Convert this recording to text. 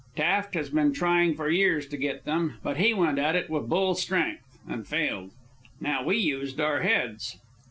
"Taft has been trying for years to get them, but he went at it with bull strength and failed. Now we used our heads...."